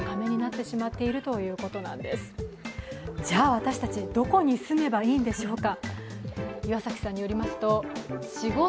私たち、どこに住めばいいんでしょうか。